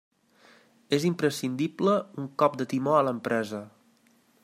És imprescindible un cop de timó a l'empresa.